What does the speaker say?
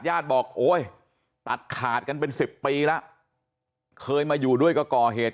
ญาติบอกโอ๊ยตัดขาดกันเป็น๑๐ปีแล้วเคยมาอยู่ด้วยก็ก่อเหตุ